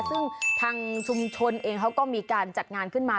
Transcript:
ซึ่งทางชุมชนเองเขาก็มีการจัดงานขึ้นมา